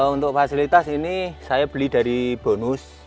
untuk fasilitas ini saya beli dari bonus